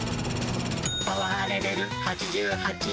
「パワーレベル８８」。